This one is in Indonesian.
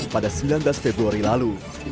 pada sembilan belas februari lalu